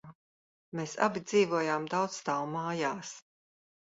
Mēs abi dzīvojām daudzstāvu mājās.